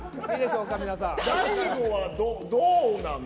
大悟はどうなの？